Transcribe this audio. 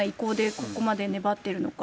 ここまで粘ってるのか。